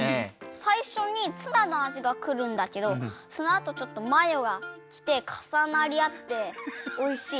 さいしょにツナのあじがくるんだけどそのあとちょっとマヨがきてかさなりあっておいしい。